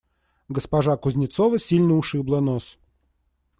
Госпожа Кузнецова сильно ушибла нос.